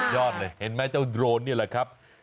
เลยเห็นไหมเจ้าโดรนนี่แหละครับ